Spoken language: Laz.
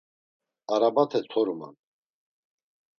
Arabate toruman.